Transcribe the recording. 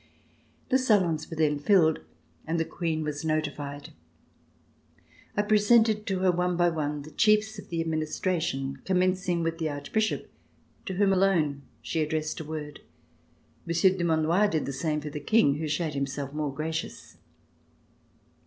The salons were then filled and the Queen was notified. I presented to her, one by one, the chiefs of the Administration, commencing with the Arch bishop, to whom alone she addressed a word. Mon sieur Dumanoir did the same for the King who showed himself more gracious.